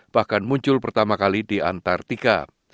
bahkan muncul pertama kali di antartika